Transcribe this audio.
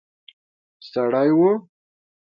سړی وو.